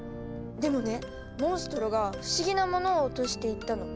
でもねモンストロが不思議なものを落としていったの。